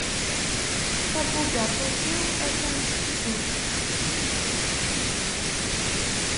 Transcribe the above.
Tabugaṭut-iw attan tetteddu-d.